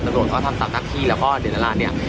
ตำรวจก็ไปทำตามหน้าที่แล้วก็เดินทางร้านเนี่ย